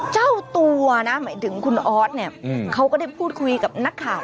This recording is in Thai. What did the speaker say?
เจ้าตัวนะหมายถึงคุณออสเนี่ยเขาก็ได้พูดคุยกับนักข่าว